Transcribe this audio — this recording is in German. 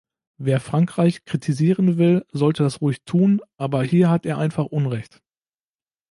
Wer Frankreich kritisieren will, soll das ruhig tun, aber hier hat er einfach Unrecht.